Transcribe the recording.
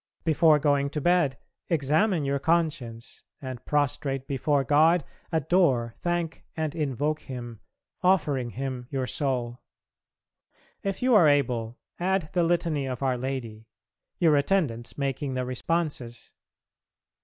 Before going to bed examine your conscience and, prostrate before God, adore, thank, and invoke Him, offering Him your soul. If you are able, add the Litany of Our Lady, your attendants making the responses.